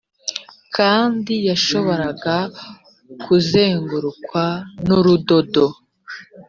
kandi yashoboraga kuzengurukwa n urudodo